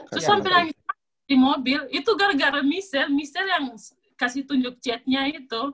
terus sampai nangis di mobil itu gara gara miser mister yang kasih tunjuk chatnya itu